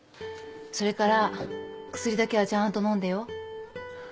それから薬だけはちゃんと飲んでよ。